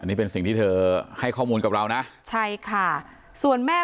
นี่เป็นสิ่งที่เธอให้ข้อมูลกับเรานะใช่ค่ะส่วนแม่